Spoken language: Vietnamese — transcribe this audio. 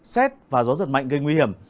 xét và gió giật mạnh gây nguy hiểm